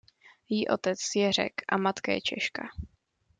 Její otec je Řek a matka je Češka.